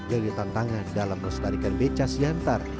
jadi tantangan dalam merestarikan beca siantar